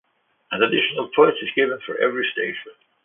An additional point is given for every stage win.